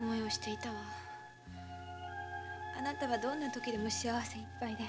あなたはどんな時でも幸せいっぱいで。